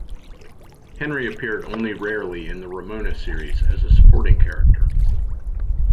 Henry appeared only rarely in the Ramona series, as a supporting character.